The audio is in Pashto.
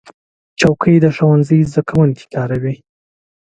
چوکۍ د ښوونځي زده کوونکي کاروي.